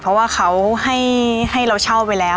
เพราะว่าเขาให้เราเช่าไปแล้ว